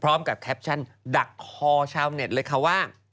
พร้อมกับแคปชั่นดักฮอล์ชาวเน็ตเลยค่ะว่า